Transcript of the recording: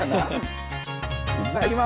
ただいま。